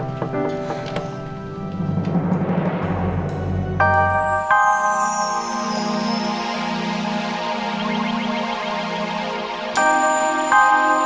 popi mau pulang aja ke mama